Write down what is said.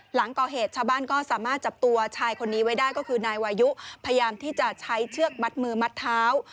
หลังก่อเหตุชาวบ้านก็สามารถจับตัวชายคนนี้ไว้ได้ก็คือนายวายุพยายามที่จะใช้เชือกมัดมือมัดเท้า